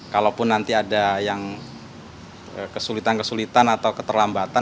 kalaupun nanti ada yang kesulitan kesulitan atau keterlambatan